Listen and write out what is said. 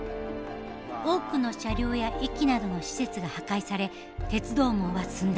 多くの車両や駅などの施設が破壊され鉄道網は寸断。